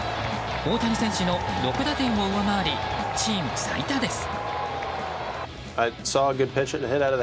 大谷選手の６打点を上回りチーム最多です。